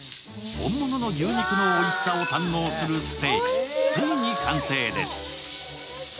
本物の牛肉のおいしさを堪能するステーキ、ついに完成です。